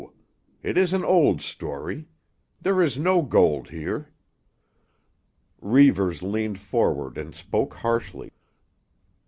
It is an old story. There is no gold here." Reivers leaned forward and spoke harshly.